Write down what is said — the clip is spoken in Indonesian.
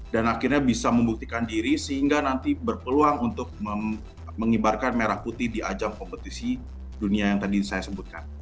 dan akhirnya bisa membuktikan diri sehingga nanti berpeluang untuk mengibarkan merah putih di ajang kompetisi dunia yang tadi saya sebutkan